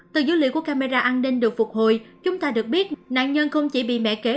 từ dữ liệu của camera an ninh được phục hồi chúng ta được biết nạn nhân không chỉ bị mẹ kế